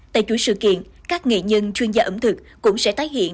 tại chuỗi sự kiện các nghệ nhân chuyên gia ẩm thực cũng sẽ tái hiện